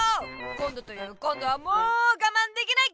こんどというこんどはもうがまんできない！